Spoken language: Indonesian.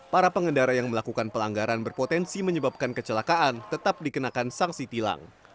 para pengendara yang melakukan pelanggaran berpotensi menyebabkan kecelakaan tetap dikenakan sanksi tilang